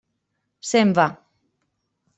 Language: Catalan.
Se'n va.